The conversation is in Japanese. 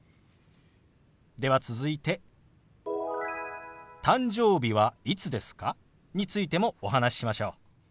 では続いて「誕生日はいつですか？」についてもお話ししましょう。